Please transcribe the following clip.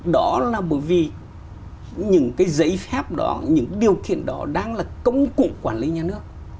đó là bởi vì những cái giấy phép đó những điều kiện đó đang là công cụ quản lý nhà nước